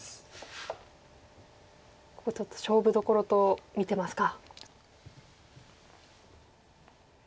ここちょっと勝負どころと見てますか。